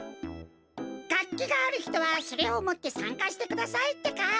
がっきがあるひとはそれをもってさんかしてくださいってか！